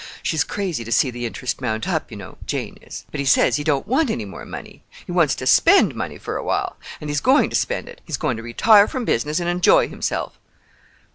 She's crazy to see the interest mount up, you know—Jane is. But he says he don't want any more money. He wants to spend money for a while. And he's going to spend it. He's going to retire from business and enjoy himself."